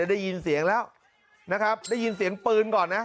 ได้ยินเสียงแล้วนะครับได้ยินเสียงปืนก่อนนะ